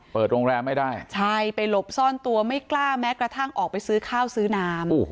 ไปหลบซ่อนตัวไม่กล้าแม้กระทั่งออกไปซื้อข้าวซื้อน้ำ